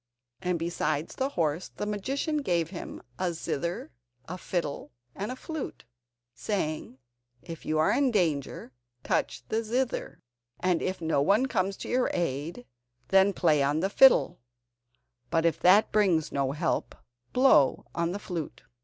And besides the horse, the magician gave him a zither, a fiddle, and a flute, saying: "If you are in danger, touch the zither; and if no one comes to your aid, then play on the fiddle; but if that brings no help, blow on the flute."